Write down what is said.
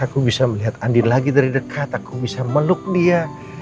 aku bisa melihat andi lagi dari dekat aku bisa meluk dia